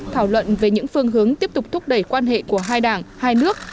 thảo luận về những phương hướng tiếp tục thúc đẩy quan hệ của hai đảng hai nước